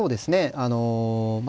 あのまあ